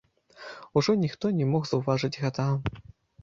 Ужо ніхто не мог заўважыць гэтага.